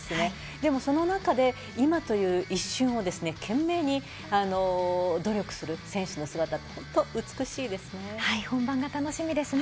でもその中で今という一瞬を懸命に努力する選手の姿って本当に美しいですね。